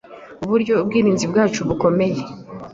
uburyo ubwirinzi bwacu bukomeye